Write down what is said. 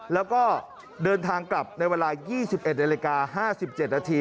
แล้วก็เดินทางกลับในเวลา๒๑นาฬิกา๕๗นาที